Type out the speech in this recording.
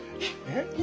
えっ？